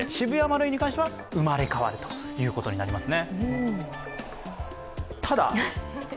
マルイに関しては生まれ変わるということになります。